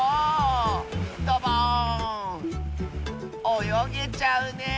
およげちゃうねえ！